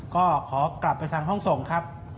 ก็ขอกลับไปทางห้องส่งครับ